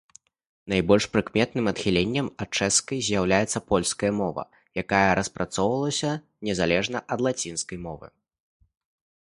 Найбольш прыкметным адхіленнем ад чэшскай з'яўляецца польская мова, якая распрацоўвалася незалежна ад лацінскай мовы.